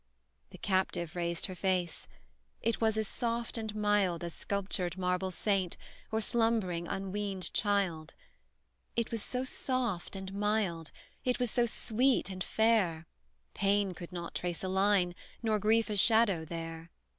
The captive raised her face; it was as soft and mild As sculptured marble saint, or slumbering unwean'd child; It was so soft and mild, it was so sweet and fair, Pain could not trace a line, nor grief a shadow there!